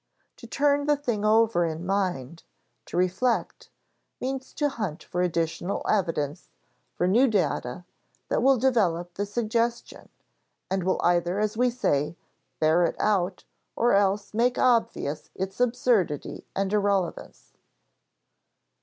To turn the thing over in mind, to reflect, means to hunt for additional evidence, for new data, that will develop the suggestion, and will either, as we say, bear it out or else make obvious its absurdity and irrelevance.